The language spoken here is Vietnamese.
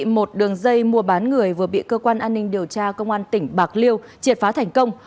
một đường dây mua bán người vừa bị cơ quan an ninh điều tra công an tỉnh bạc liêu triệt phá thành công